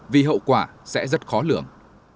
vì hậu quả sẽ rất khó lường